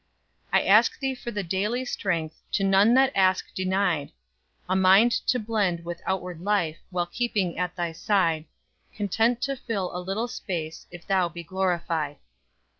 "I ask thee for the daily strength, To none that ask denied, A mind to blend with outward life, While keeping at thy side; Content to fill a little space If thou be glorified."